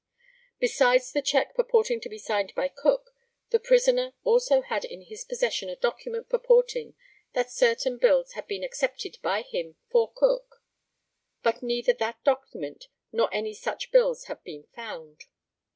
Besides the cheque purporting to be signed by Cook, the prisoner also had in his possession a document purporting that certain bills had been accepted by him for Cook, but neither that document nor any such bills have been found.